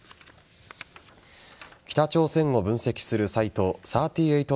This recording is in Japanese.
北朝鮮を分析するサイト３８